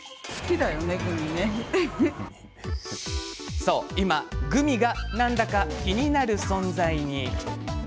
そう今、グミがなんだかキニナル存在に。